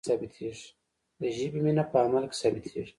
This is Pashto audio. د ژبې مینه په عمل کې ثابتیږي.